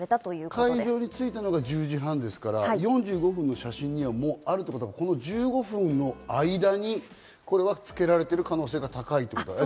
会場に着いたのが１０時半ですから、４５分の写真にあるということは１５分の間につけられている可能性が高いってことですね。